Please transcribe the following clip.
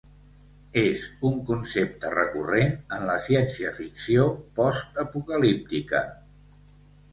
És un concepte recorrent en la ciència-ficció postapocalíptica.